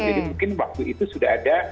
jadi mungkin waktu itu sudah ada